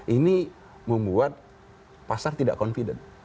ini membuat pasar tidak confident